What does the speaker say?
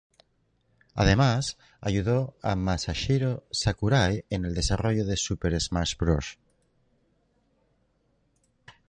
Además, ayudó a Masahiro Sakurai en el desarrollo de "Super Smash Bros.